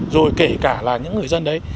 rồi kể cả là những người dân đấy